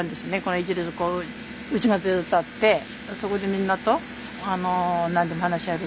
１列こううちがずっとあってそこでみんなと何でも話し合える。